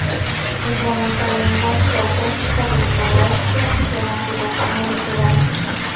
Es la única lengua caucásica del noroeste que no tuvo forma literaria.